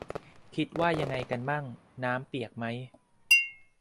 คิดว่ายังไงกันมั่ง ? น้ำเปียกไหม ?